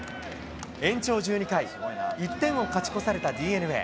延長１２回、１点を勝ち越されたＤｅＮＡ。